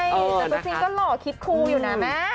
ใช่แต่ตอนนี้ก็หล่อคิดครูอยู่นะแม่